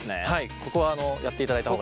ここはやっていただいた方が。